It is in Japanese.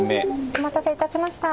お待たせいたしました。